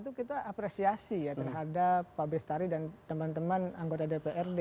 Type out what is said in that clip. itu kita apresiasi ya terhadap pak bestari dan teman teman anggota dprd